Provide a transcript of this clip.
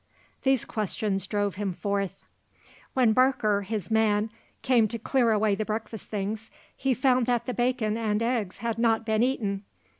These questions drove him forth. When Barker, his man, came to clear away the breakfast things he found that the bacon and eggs had not been eaten.